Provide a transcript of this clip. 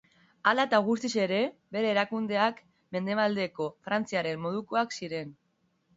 Hala eta guztiz ere, bere erakundeak Mendebaldeko Frantziaren modukoak ziren.